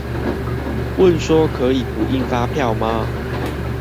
問說可以不印發票嗎？